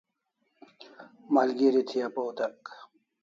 Malgeri thi apaw dek